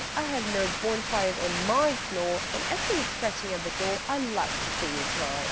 I'll have no bonfires on my floor And, as for scratching at the door, I'd like to see you try!"